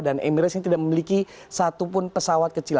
dan emirates ini tidak memiliki satu pun pesawat kecil